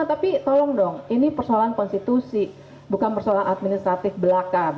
tapi tolong dong ini persoalan konstitusi bukan persoalan administratif belaka